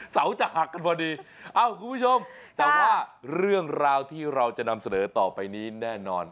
เสาจะหักกันพอดีเอ้าคุณผู้ชมแต่ว่าเรื่องราวที่เราจะนำเสนอต่อไปนี้แน่นอน